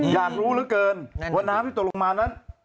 อยากรู้เหลือเกินว่าน้ำที่ตกลงมานั้น